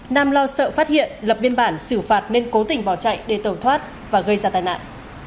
nam lo sợ phát hiện lập biên bản xử phạt nên cố tình bỏ chạy để tẩu thoát và gây ra tai nạn